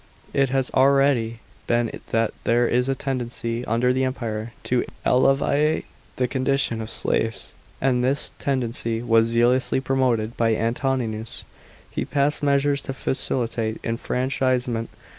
§ 6. It has already been seen that there was a tendency under the Empire to alleviate the condition of slaves; and this tendency was zealously promoted by Antoninus. He passed measures to facilitate enfranchisement.